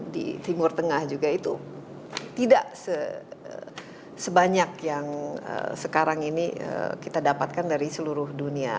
di timur tengah juga itu tidak sebanyak yang sekarang ini kita dapatkan dari seluruh dunia